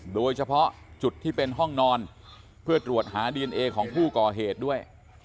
โดยเฉพาะจุดที่เป็นห้องนอนเพื่อตรวจหาดีเอนเอของผู้ก่อเหตุด้วย